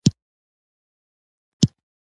هغه به په پېښور کې ورته پاته شي.